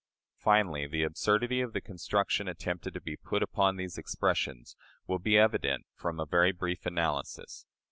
Finally, the absurdity of the construction attempted to be put upon these expressions will be evident from a very brief analysis.